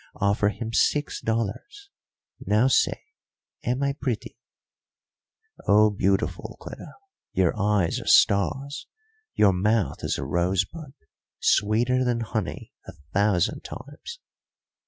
Offer him six dollars. Now say, am I pretty?" "Oh, beautiful, Cleta; your eyes are stars, your mouth is a rosebud, sweeter than honey a thousand times."